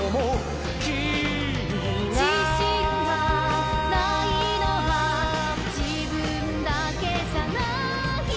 「自信がないのは自分だけじゃない」